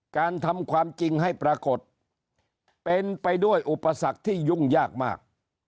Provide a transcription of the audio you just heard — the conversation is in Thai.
การทำความจริงให้ปรากฏเป็นไปด้วยอุปสรรคที่ยุ่งยากมาก